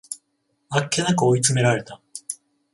あっけなく追い詰められた